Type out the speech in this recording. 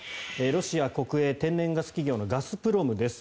ロシア国営天然ガス企業のガスプロムです。